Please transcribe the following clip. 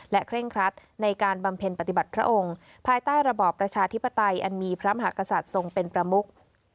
เคร่งครัดในการบำเพ็ญปฏิบัติพระองค์ภายใต้ระบอบประชาธิปไตยอันมีพระมหากษัตริย์ทรงเป็นประมุก